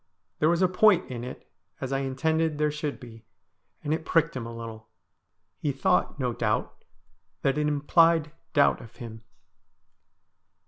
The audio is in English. There was a point in it, as I intended there should be, and it pricked him a little. He thought, no doubt, that it implied doubt of him.